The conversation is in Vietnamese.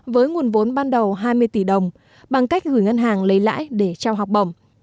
với nguồn vốn ban đầu hai mươi tỷ đồng bằng cách gửi ngân hàng lấy lãi để trao học bổng